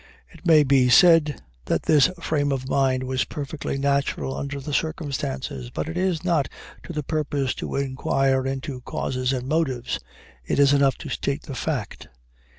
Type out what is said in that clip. It may be said that this frame of mind was perfectly natural under the circumstances; but it is not to the purpose to inquire into causes and motives; it is enough to state the fact.